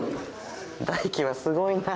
大樹はすごいな。